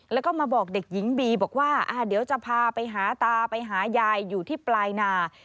แล้วก็มาบอกเด็กหญิงบีบอกว่าเดี๋ยวจะพาไปหาตาไปหายายอยู่ที่ปลายนา